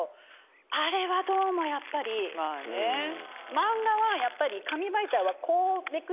漫画はやっぱり。